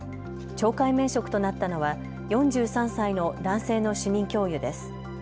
懲戒免職となったのは４３歳の男性の主任教諭です。